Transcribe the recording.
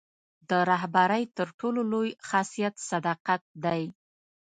د رهبرۍ تر ټولو لوی خاصیت صداقت دی.